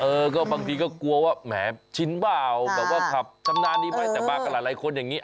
เออก็บางทีก็กลัวว่าแหมชิ้นเปล่าขับชำนาญิมัยแต่บ้ากับหลายคนอย่างงี้